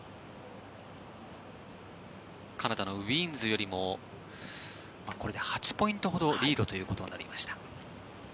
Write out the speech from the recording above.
カナダのウィーンズよりもこれで８ポイントほどリードということになりました。